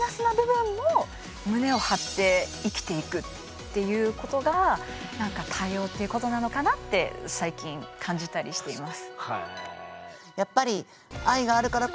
っていうことが多様っていうことなのかなって最近感じたりしています。